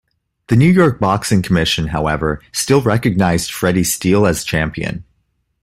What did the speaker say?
The New York Boxing Commission, however, still recognized Freddie Steele as champion.